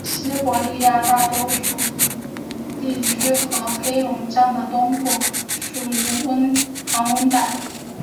西伯利亚的大多数地区和黑龙江省的北部属于寒温带。